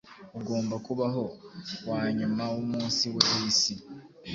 Ugomba kubaho wanyuma wumunsi we wisi